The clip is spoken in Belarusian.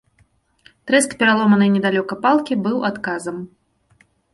Трэск пераломанай недалёка палкі быў адказам.